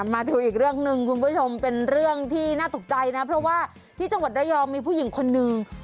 มาดูอีกเรื่องหนึ่งคุณผู้ชมเป็นเรื่องที่น่าตกใจนะเพราะว่าที่จังหวัดระยองมีผู้หญิงคนนึง